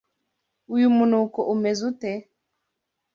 Uyu munuko umeze ute?